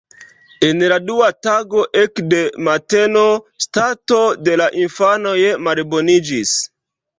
En la dua tago ekde mateno stato de la infanoj malboniĝis.